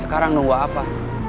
sekarang nunggu apa